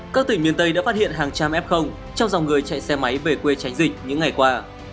các tỉnh miền tây đã phát hiện hàng trăm f trong dòng người chạy xe máy về quê tránh dịch những ngày qua